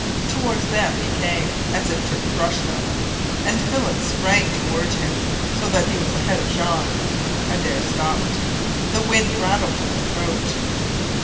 Toward them he came, as if to crush them, and Philip sprang toward him, so that he was ahead of Jean. Adare stopped. The wind rattled in his throat.